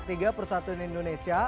tiga persatuan indonesia